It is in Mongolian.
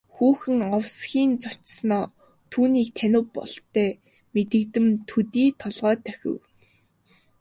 Хүүхэн овсхийн цочсоноо түүнийг танив бололтой мэдэгдэм төдий толгой дохив.